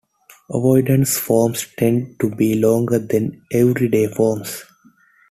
Avoidance forms tend to be longer than everyday forms.